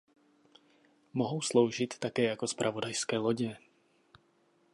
Mohou sloužit také jako zpravodajské lodě.